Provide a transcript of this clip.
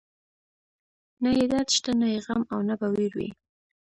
نه يې درد شته، نه يې غم او نه به وير وي